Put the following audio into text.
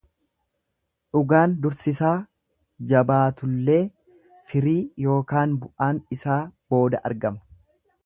Dhugaan dursisaa jabaatullee firii ykn bu'aan isaa booda argama.